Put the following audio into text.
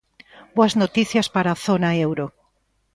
Boas noticias para a zona euro.